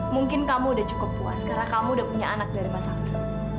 mungkin kamu sudah cukup puas karena kamu sudah punya anak dari pasangan